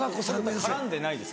絡んでないです